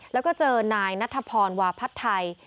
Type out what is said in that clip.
แล้วก็เจอนายนัทพรวาพัฒน์ไทย